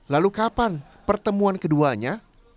lalu kapan pertemuan keduanya